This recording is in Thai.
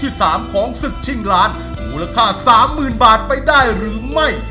สามของศึกชิงล้านมูลค่าสามหมื่นบาทไปได้หรือไม่